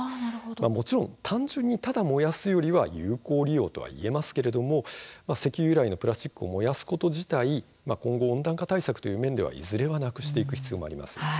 もちろん単純にただ燃やすよりは有効利用といえますが石油由来のプラスチックを燃やすこと自体、今後温暖化対策という面ではいずれなくしていく必要もあります。